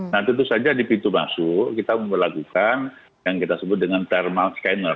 nah tentu saja di pintu masuk kita memperlakukan yang kita sebut dengan thermal scanner